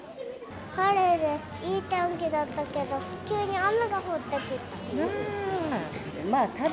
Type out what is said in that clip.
晴れていい天気だったけど、急に雨が降ってきた。